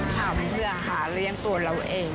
ทำเพื่อหาเลี้ยงตัวเราเอง